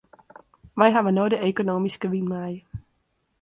Wy hawwe no de ekonomyske wyn mei.